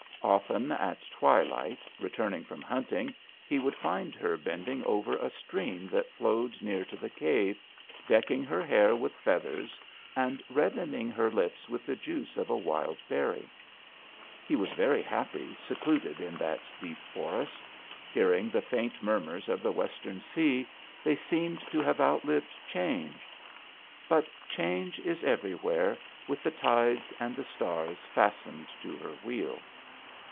Often at twilight, returning from hunting, he would find her bending over a stream that flowed near to the cave, decking her hair with feathers and reddening her lips with the juice of a wild berry. He was very happy secluded in that deep forest. Hearing the faint murmurs of the western sea, they seemed to have outlived change. But Change is every where, with the tides and the stars fastened to her wheel.